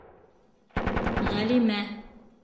Ғәлимә...